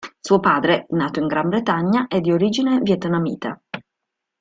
Suo padre nato in Gran Bretagna è di origine vietnamita.